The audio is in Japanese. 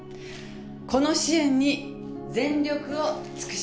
この支援に全力を尽くします。